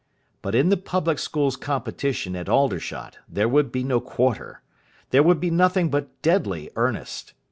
But in the Public Schools Competition at Aldershot there would be no quarter. There would be nothing but deadly earnest.